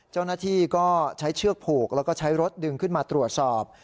เจ้าหน้าที่ก็ใช้เชือกผูกแล้วก็ใช้รถดึงขึ้นมาตรวจสอบ